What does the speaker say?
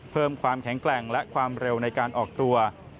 เพิ่มความแข็งแกร่งและความเร็วในการออกตัว